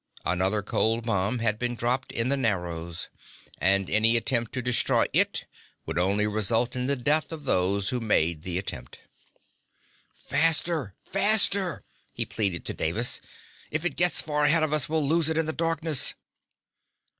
Another cold bomb had been dropped in the Narrows, and any attempt to destroy it would only result in the death of those who made the attempt. "Faster, faster!" he pleaded to Davis. "If it gets far ahead of us we'll lose it in the darkness."